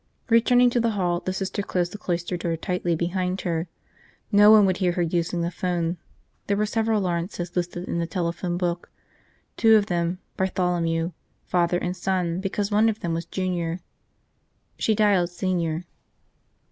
Returning to the hall, the Sister closed the cloister door tightly behind her. No one would hear her using the phone. There were several Lawrences listed in the telephone book, two of them Bartholomew, father and son because one of them was Junior. She dialed Senior.